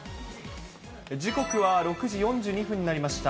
時刻は６時４２分になりました。